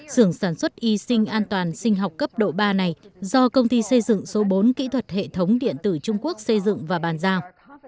sưởng sản xuất y sinh an toàn sinh học cấp độ ba này do công ty xây dựng số bốn kỹ thuật hệ thống điện tử trung quốc xây dựng và bàn giao